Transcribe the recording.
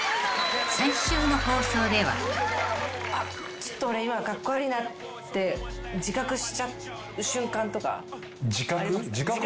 ちょっと俺今カッコ悪いなって自覚しちゃう瞬間とか。自覚？